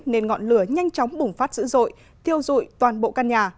nên ngọn lửa nhanh chóng bùng phát dữ dội thiêu dụi toàn bộ căn nhà